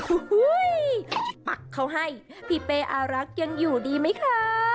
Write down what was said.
อ้าวฮู้ยป๊ะเขาให้พี่เป๊อารักยังอยู่ดีไหมคะ